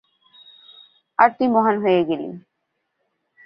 আর তুই মহান হয়ে গেলি।